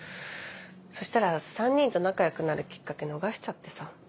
そしたら３人と仲良くなるきっかけ逃しちゃってさ。